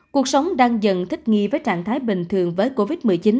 cuộc sống đang dần thích nghi với trạng thái bình thường với covid một mươi chín